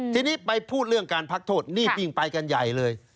ทีนี้ไปพูดเรื่องการพักโทษนี่ยิ่งไปกันใหญ่เลย